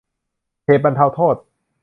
เหตุบรรเทาโทษ